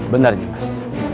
benar ini mas